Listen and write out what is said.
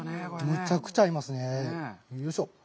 むちゃくちゃ合いますね。